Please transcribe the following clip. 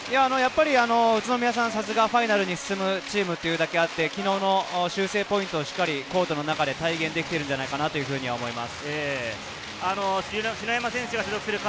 宇都宮さん、さすがファイナルに進むチームというだけあって、昨日の修正ポイントをしっかりとコートの中で体現できるのではないかなと思います。